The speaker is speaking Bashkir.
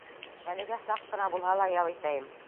Әлегә саҡ ҡына булһа ла ял итәйем.